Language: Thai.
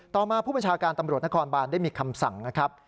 ต่อมาผู้บัญชาการตำรวจนครบานได้มีคำสั่งนะครับ